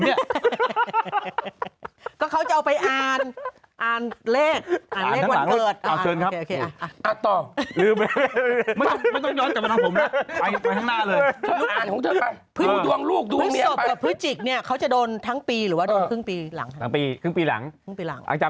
นี่จะปีใหม่แล้วนี่จะปีใหม่แล้ว